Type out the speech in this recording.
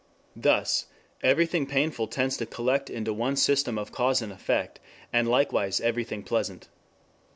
Thus everything painful tends to collect into one system of cause and effect, and likewise everything pleasant.